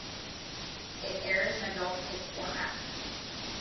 It airs an adult hits format.